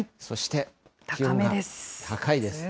そして。